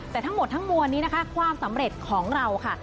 แต่ทั้งหมดทั้งมวลนี้นะคะความสำเร็จของเราค่ะ